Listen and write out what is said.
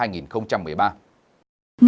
nền kinh tế eurozone